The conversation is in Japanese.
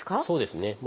そうですね。